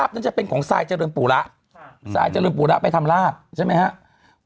นั่นจะเป็นของทรายเจริญปูระทรายเจริญปูระไปทำลาบใช่ไหมครับ